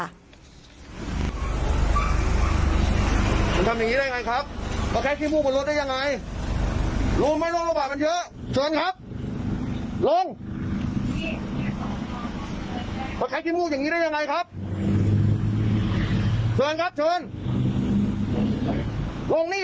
ไม่ชัดต้มวุกไม่ชัดน้ำลายอย่างนี้ได้ยังไง